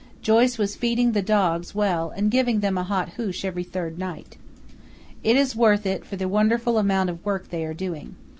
Joyce was feeding the dogs well and giving them a hot hoosh every third night. "It is worth it for the wonderful amount of work they are doing.